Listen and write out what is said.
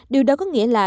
điều đó có nghĩa là